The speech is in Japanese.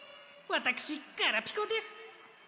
わたくしガラピコです！